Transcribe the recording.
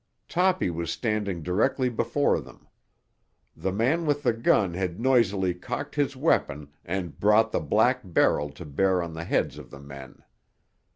Toppy was standing directly before them; the man with the gun had noisily cocked his weapon and brought the black barrel to bear on the heads of the men.